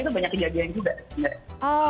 ini tuh banyak kejadian juga